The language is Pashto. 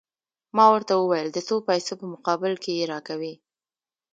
ما ورته وویل: د څو پیسو په مقابل کې يې راکوې؟